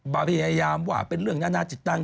พยายามว่าเป็นเรื่องนานาจิตตัง